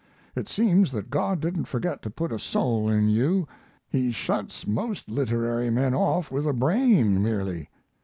It seems that God didn't forget to put a soul in you. He shuts most literary men off with a brain, merely.